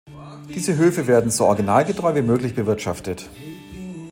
Diese Höfe werden so originalgetreu wie möglich bewirtschaftet.